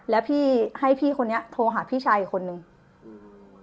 แล้วพี่ให้พี่คนนี้โทรหาพี่ชายอีกคนนึงอืม